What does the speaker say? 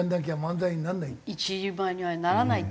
一人前にはならないって。